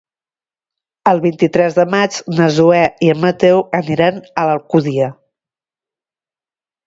El vint-i-tres de maig na Zoè i en Mateu aniran a l'Alcúdia.